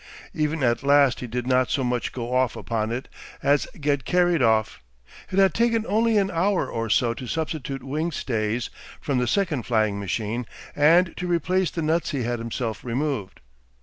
Even at last he did not so much go off upon it as get carried off. It had taken only an hour or so to substitute wing stays from the second flying machine and to replace the nuts he had himself removed.